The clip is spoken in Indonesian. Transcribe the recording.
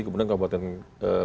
kemudian kabupaten kota